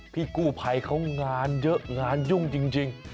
พี่กู้ภัยเขางานเยอะงานยุ่งจริง